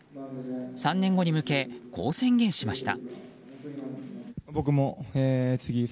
３年後に向け、こう宣言しました。